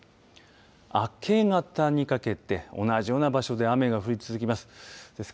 明け方にかけて同じような場所で雨が降り続きます。